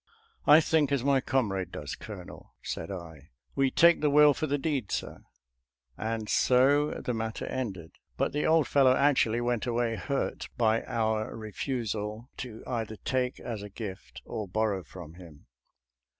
" I think as my comrade does. Colonel," said I. "We take the will for the deed, sir." And so ADVENTURES EN ROUTE TO TEXAS 291 the matter ended. But the old fellow actually went away hurt by our refusal to either take as a gift or borrow from him.